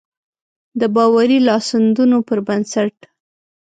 د باوري لاسوندونو پر بنسټ.